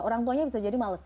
orang tuanya bisa jadi males